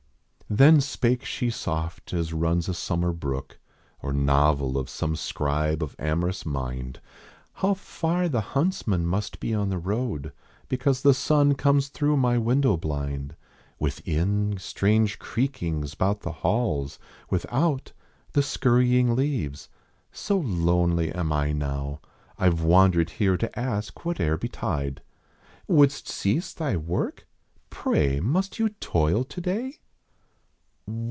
Then spake she soft as runs a summer brook Or novel of some scribe of amorous mind : How far the huntsmen must be on the road, Because the sun comes through my window blind ; Within strange creakings bout the halls : without The scurrying leaves. So lonely am I now I ve wandered here to ask whate er betide. Wouldst cease thy work? I ray, must you toil todav?"